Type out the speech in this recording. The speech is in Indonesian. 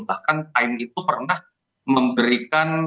bahkan tim itu pernah memberikan